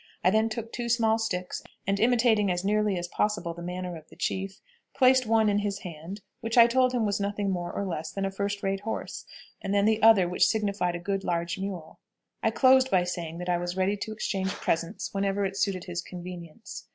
I then took two small sticks, and imitating as nearly as possible the manner of the chief, placed one in his hand, which I told him was nothing more or less than a first rate horse, and then the other, which signified a good large mule. I closed by saying that I was ready to exchange presents whenever it suited his convenience.